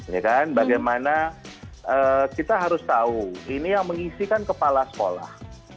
ya kan bagaimana kita harus tahu ini yang mengisi kan kepala sekolah